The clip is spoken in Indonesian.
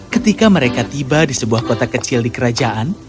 ketika mereka tiba di sebuah kota kecil di kerajaan